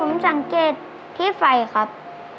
ผมสังเกตที่ไฟครับ